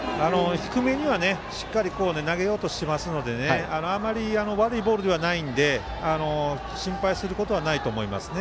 低めにはしっかり投げようとはしてますのであまり悪いボールではないんで心配することはないと思います。